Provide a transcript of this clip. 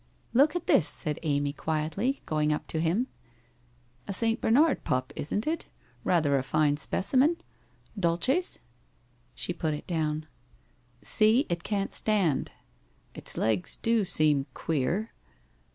' Look at this,' said Amy quietly, going up to him. * A St. Bernard pup, isn't it. Rather a fine specimen. Duke's ?' She put it down. ' See, it can't stand.' ' It's legs do seem queer.'